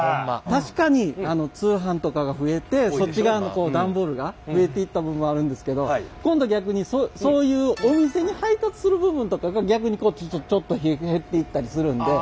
確かに通販とかが増えてそっち側の段ボールが増えていった部分はあるんですけど今度逆にそういうお店に配達する部分とかが逆にちょっと減っていったりするんで。